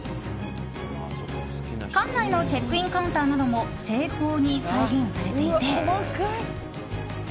館内のチェックインカウンターなども精巧に再現されていて。